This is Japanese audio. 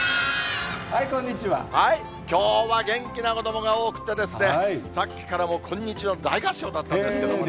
きょうは元気な子どもが多くてですね、さっきからもうこんにちはの大合唱だったんですけどもね。